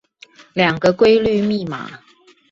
兩個規律密碼